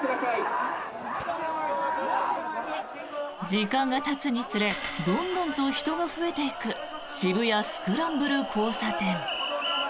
時間がたつにつれどんどんと人が増えていく渋谷・スクランブル交差点。